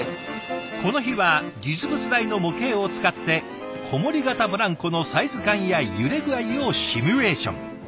この日は実物大の模型を使ってこもり型ブランコのサイズ感や揺れ具合をシミュレーション。